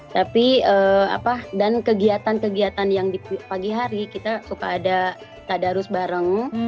tapi dan kegiatan kegiatan yang di pagi hari kita suka ada tadarus bareng